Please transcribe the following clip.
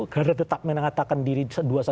karena tetap mengatakan diri dua ratus dua belas